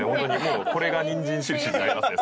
これがにんじんしりしりになりますね